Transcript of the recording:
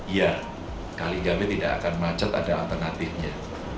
iya kaligawi tidak akan macet ada alternatifnya